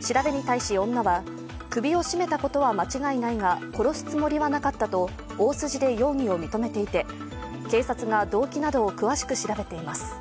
調べに対し、女は首を絞めたことは間違いないが殺すつもりはなかったと大筋で容疑を認めていて、警察が動機などを詳しく調べています。